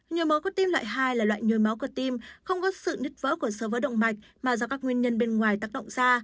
nhồi máu cơ tim loại hai là loại nhồi máu cơ tim không có sự nứt vỡ của sơ vỡ động mạch mà do các nguyên nhân bên ngoài tác động ra